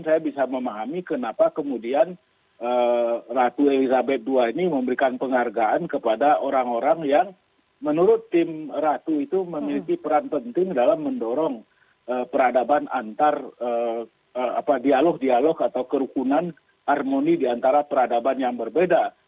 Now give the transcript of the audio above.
saya bisa memahami kenapa kemudian ratu elizabeth ii ini memberikan penghargaan kepada orang orang yang menurut tim ratu itu memiliki peran penting dalam mendorong peradaban antar dialog dialog atau kerukunan harmoni diantara peradaban yang berbeda